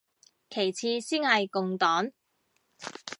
其次先係共黨